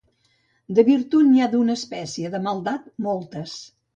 De virtut n'hi ha d'una espècie; de maldat, moltes.